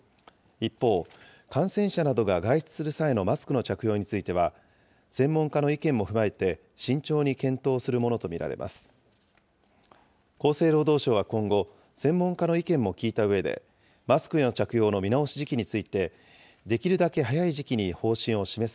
一方、感染者などが外出する際のマスクの着用については、専門家の意見も踏まえて、慎重に検討するものと見られます。